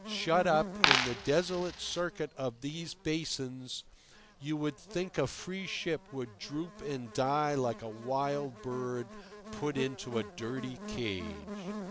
Shut up in the desolate circuit of these basins, you would think a free ship would droop and die like a wild bird put into a dirty cage.